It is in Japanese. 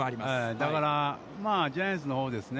だからジャイアンツのほうですね。